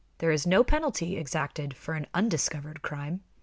There is no penalty exacted for an undiscovered crime.